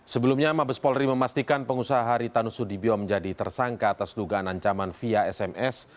sebelumnya mabes polri memastikan pengusaha haritanu sudibyo menjadi tersangka atas dugaan ancaman via sms